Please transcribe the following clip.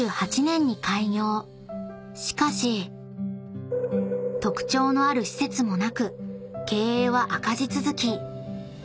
［しかし特徴のある施設もなく経営は赤字続き］